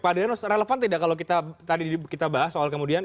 pak denos relevan tidak kalau kita tadi kita bahas soal kemudian